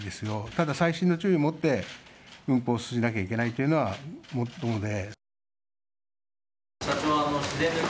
ただ細心の注意をもって運航しなきゃいけないというのはごもっともで。